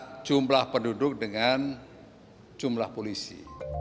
ada jumlah penduduk dengan jumlah polisi